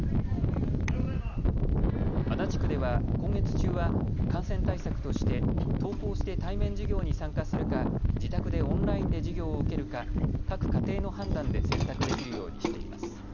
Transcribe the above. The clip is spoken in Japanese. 足立区では今月中は感染対策として登校して対面授業に参加するか自宅でオンラインで授業を受けるか各家庭の判断で選択できるようにしています。